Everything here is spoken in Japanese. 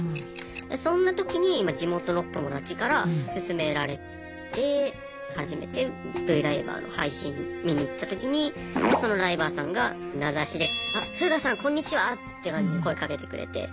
そんな時に地元の友達から勧められて初めてＶライバーの配信見に行った時にそのライバーさんが名指しでって感じで声かけてくれて。